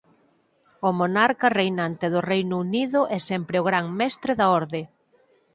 O monarca reinante do Reino Unido é sempre o gran mestre da Orde.